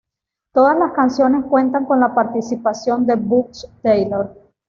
Todas las canciones cuentan con la participación de Butch Taylor.